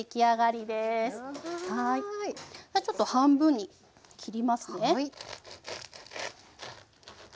じゃあちょっと半分に切りますね。